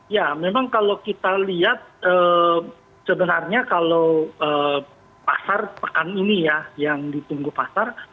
ya memang kalau kita lihat sebenarnya kalau pasar pekan ini ya yang ditunggu pasar